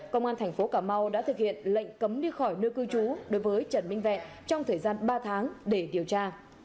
công an thành phố cà mau đã thực hiện lệnh cấm đi khỏi nơi cư trú đối với trần minh vẹn trong thời gian ba tháng để điều tra